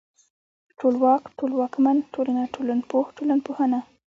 ټولواک ، ټولواکمن، ټولنه، ټولنپوه، ټولنپوهنه